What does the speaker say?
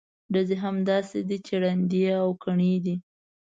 ډزې هم داسې دي چې ړندې او کڼې دي.